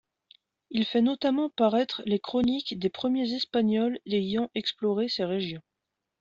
Il fait notamment paraître les chroniques des premiers espagnols ayant exploré ses régions.